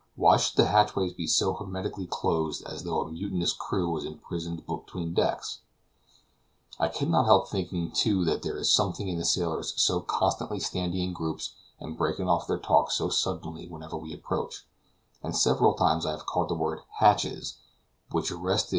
Why should the hatchways be so hermetically closed as though a mutinous crew was imprisoned between decks? I can not help thinking too that there is something in the sailors so constantly standing in groups and breaking off their talk so suddenly whenever we approach; and several times I have caught the word "hatches" which arrested M.